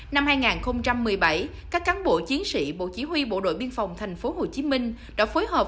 năm hai nghìn một mươi bảy các cán bộ chiến sĩ bộ chỉ huy bộ đội biên phòng thành phố hồ chí minh đã phối hợp